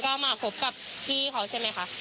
ก็มาพบกับพี่เขาใช่ไหมคะ